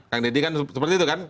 kang deddy kan seperti itu kan